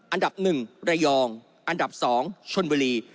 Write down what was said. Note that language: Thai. อันดับหนึ่งระยองอันดับสองชลบุรี